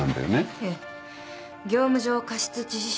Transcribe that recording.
ええ業務上過失致死傷。